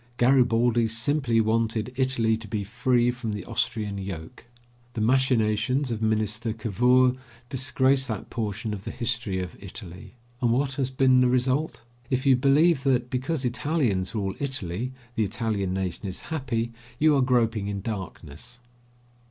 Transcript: Garibaldi simply wanted Italy to be free from the Austrian yoke. The machinations of Minister Cavour disgrace that portion of the history of Italy. And what has been the result? If you believe that, because Italians rule Italy, the Italian nation is happy, you are groping in darkness.